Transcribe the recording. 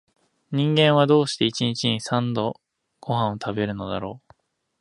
人間は、どうして一日に三度々々ごはんを食べるのだろう